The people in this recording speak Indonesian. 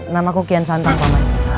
namaku kian santang paman